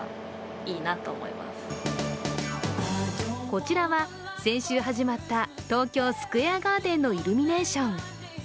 こちらは先週始まった東京スクエアガーデンのイルミネーション。